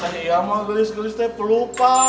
tadi iya mah gelis gelis t pelupa